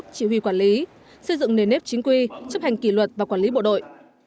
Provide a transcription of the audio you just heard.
chỉ huy quản lý xây dựng nề nếp chính quy chấp hành kỷ luật và quản lý bộ đội